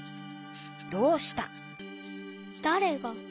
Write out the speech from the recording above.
「どうした」？